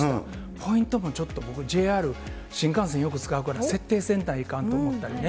ポイントもちょっと僕、ＪＲ、新幹線よく使うから、設定せないかんと思ったりね。